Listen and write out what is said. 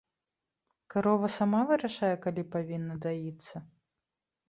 Карова сама вырашае, калі павінна даіцца?